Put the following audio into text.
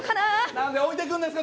何で置いていくんですか？